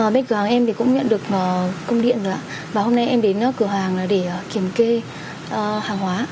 bên cửa hàng em cũng nhận được công điện rồi ạ và hôm nay em đến cửa hàng để kiểm kê hàng hóa